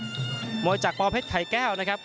ปอเพิ่งไข่แก้วมวยจากปอเพิ่งไข่แก้วนะครับ